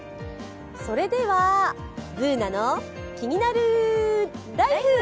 それでは「ＢｏｏｎａのキニナルＬＩＦＥ」。